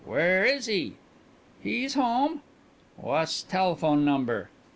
"Where is he?" "He's home." "Wha's telephone number?"